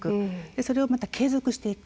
それを継続していく。